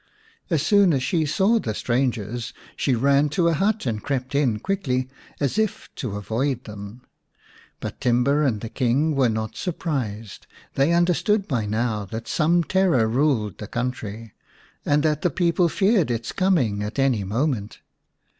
As soon as she saw the strangers she ran to a hut and crept in quickly, as if to avoid them. But Timba and the King were not surprised ; they understood by now that some terror ruled the country, and that the people feared its coming at any moment.